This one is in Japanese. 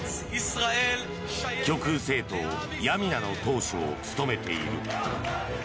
極右政党ヤミナの党首を務めている。